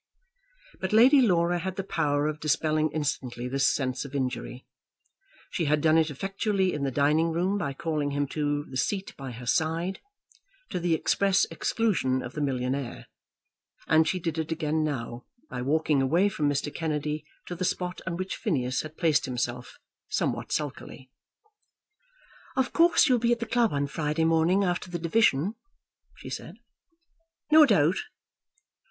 But Lady Laura had the power of dispelling instantly this sense of injury. She had done it effectually in the dining room by calling him to the seat by her side, to the express exclusion of the millionaire, and she did it again now by walking away from Mr. Kennedy to the spot on which Phineas had placed himself somewhat sulkily. "Of course you'll be at the club on Friday morning after the division," she said. "No doubt."